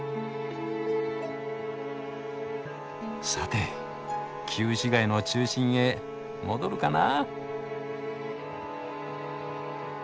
さて旧市街の中心へ戻るかな。